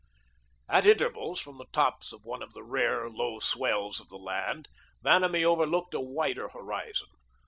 At intervals, from the tops of one of the rare, low swells of the land, Vanamee overlooked a wider horizon.